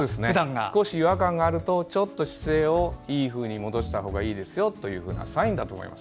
少し違和感があるとちょっと姿勢をいいふうに戻したほうがいいというサインだと思います。